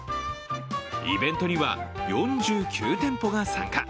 イベントには４９店舗が参加。